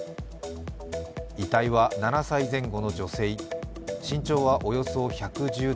遺体は７歳前後の女性身長はおよそ１１７ｃｍ。